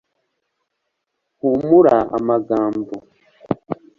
humura amagambo